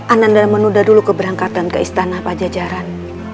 ananda menunda dulu keberangkatan ke istana pajajaran